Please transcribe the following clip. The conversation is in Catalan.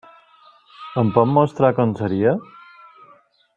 Em pots mostrar com seria?